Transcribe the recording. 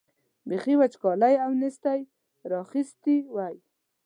بېخي وچکالۍ او نېستۍ را اخیستي وای.